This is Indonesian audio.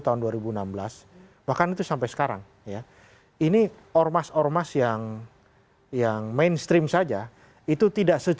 tahun dua ribu enam belas bahkan itu sampai sekarang ya ini ormas ormas yang yang mainstream saja itu tidak